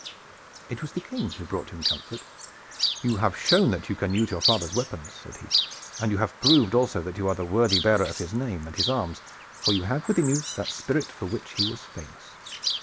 It was the King who brought him comfort. "You have shown that you can use your father's weapons," said he, "and you have proved also that you are the worthy bearer of his name and his arms, for you have within you that spirit for which he was famous.